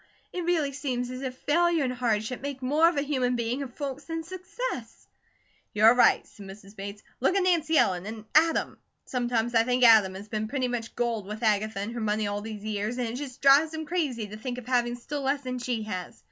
It really seems as if failure and hardship make more of a human being of folks than success." "You're right," said Mrs. Bates. "Look at Nancy Ellen and Adam. Sometimes I think Adam has been pretty much galled with Agatha and her money all these years; and it just drives him crazy to think of having still less than she has.